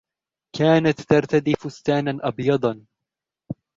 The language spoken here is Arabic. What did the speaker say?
كانت ترتدي فستاناً أبيضاً.